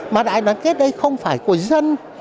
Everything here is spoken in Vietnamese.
mà đại đoàn kết đây không phải của dân